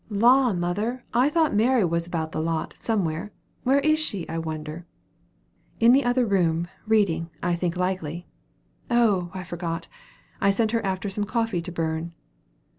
"La, mother! I thought Mary was about the lot, somewhere. Where is she, I wonder?" "In the other room, reading, I think likely. Oh! I forgot: I sent her after some coffee to burn."